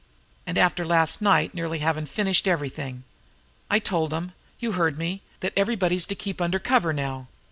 And after last night nearly havin' finished everything! I told 'em you heard me that everybody's to keep under cover now.